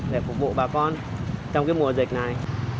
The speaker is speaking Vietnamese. để phục vụ bà con trong mùa dịch này